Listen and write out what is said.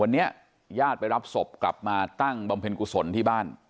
วันนี้ญาติไปรับศพกลับมาตั้งบำเพ็ญกุศลที่บ้าน